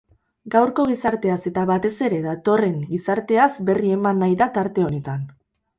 Gaurko gizarteaz eta batez ere datorren gizarteaz berri eman nahi da tarte honetan.